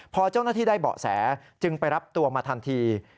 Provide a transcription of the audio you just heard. พอเจ้าหน้าที่ได้เบาะแสจึงไปรับตัวมาทันที